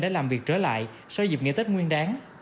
đã làm việc trở lại sau dịp ngày tết nguyên đáng